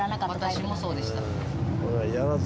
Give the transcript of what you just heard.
私もそうでした。